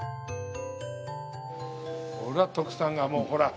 ほら徳さんがもうほら。